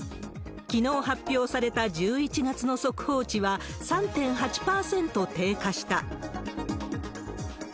きのう発表された１１月の速報値は、３．８％低下した。